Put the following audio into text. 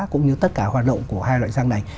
cũng như tất cả hoạt động của hai loại rác này